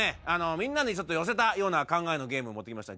みんなにちょっと寄せたような考えのゲームを持ってきました。